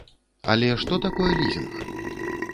Але што такое лізінг?